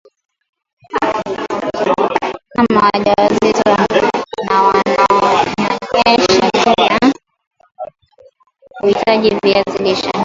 mama wajawazito na wanaonyonyesha pia huhitaji viazi lishe